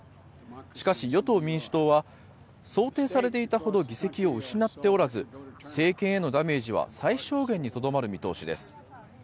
しかし、与党・民主党は想定されていたほど議席を失っておらず政権へのダメージは最小限にとどまる見通しです。